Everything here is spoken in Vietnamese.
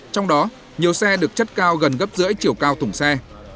trong đó nhiều xe được chất cao gần gấp rưỡi chiều cao thùng xe